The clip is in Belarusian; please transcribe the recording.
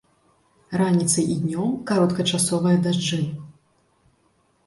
Раніцай і днём кароткачасовыя дажджы.